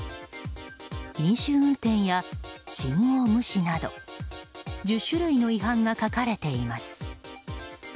飲酒運転や信号無視など１０種類の違反が書かれています。